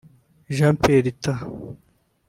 Jean Pierre T